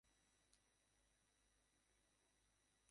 গাড়ি ছাড়িবার সময় মেয়েটি বিনয়কে ছোটো একটি নমস্কার করিল।